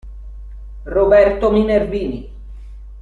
Roberto Minervini